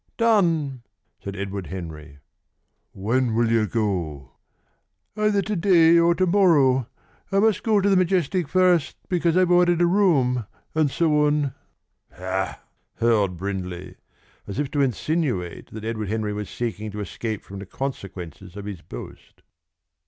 "Done!" said Edward Henry. "When will you go?" "Either to day or to morrow. I must go to the Majestic first, because I've ordered a room and so on." "Ha!" hurled Brindley, as if to insinuate that Edward Henry was seeking to escape from the consequences of his boast.